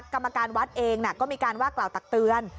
กรรมการวัดเองก็มีการว่ากล่าวตักเตือน